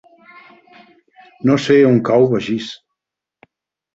No sé on cau Begís.